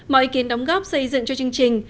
mọi ý kiến đóng góp xây dựng cho chương trình